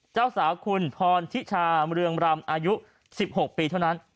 เจ้าสาวคุณพรทิชามเมื่อเริ่มรำอายุสิบหกปีเท่านั้น